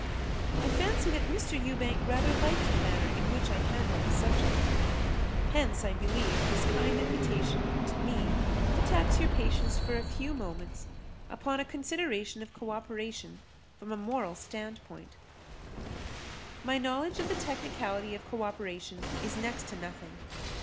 I fancy that Mr. Ewbank rather liked the manner in which I handled the subject. Hence, I believe, his kind invitation to me to tax your patience for a few moments upon a consideration of co operation from a moral standpoint. My knowledge of the technicality of co operation is next to nothing.